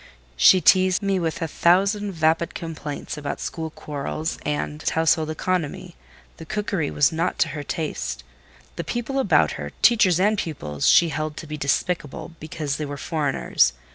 She teased me with a thousand vapid complaints about school quarrels and household economy: the cookery was not to her taste; the people about her, teachers and pupils, she held to be despicable, because they were foreigners.